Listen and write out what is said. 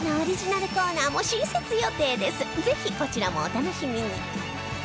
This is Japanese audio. ここだけのぜひこちらもお楽しみに